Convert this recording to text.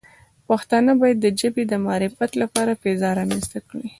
پښتانه باید د ژبې د معرفت لپاره فضا رامنځته کړي.